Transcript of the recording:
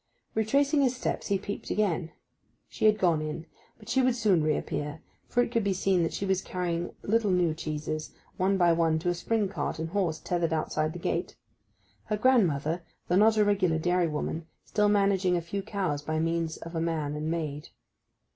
Retracing his steps, he peeped again. She had gone in; but she would soon reappear, for it could be seen that she was carrying little new cheeses one by one to a spring cart and horse tethered outside the gate—her grandmother, though not a regular dairywoman, still managing a few cows by means of a man and maid.